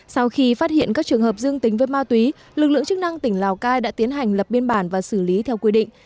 sau khi phát hiện các trường hợp dương tính với ma túy lực lượng chức năng tỉnh lào cai đã tiến hành lập biên bản và xử lý theo quy định